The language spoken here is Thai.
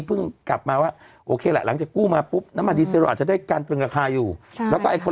ถูกต้องไหมแต่ทุกวันนี้เขาก็อุ้มราคานัมมัน